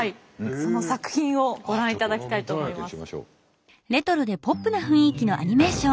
その作品をご覧いただきたいと思います。